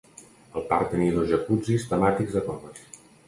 El parc tenia dos jacuzzis temàtics de coves.